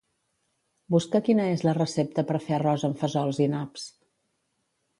Busca quina és la recepta per fer arròs amb fesols i naps.